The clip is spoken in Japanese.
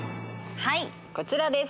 はいこちらです